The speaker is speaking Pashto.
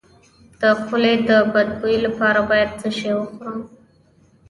د خولې د بد بوی لپاره باید څه شی وخورم؟